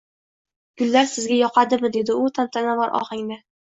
— Gullar sizga yoqdimi? – dedi u tantanavor ohangda.